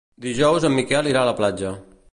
Dijous en Miquel irà a la platja.